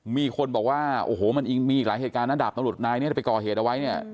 มีคนบอกว่ามีหลายเหตุการณ์ดากตำรวจนายเนี่ยไปก่อเหตุเอาไว้